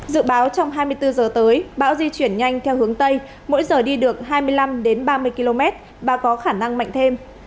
dự báo trong hai mươi bốn giờ tới bão di chuyển nhanh theo hướng tây mỗi giờ đi được hai mươi năm ba mươi km và có khả năng mạnh thêm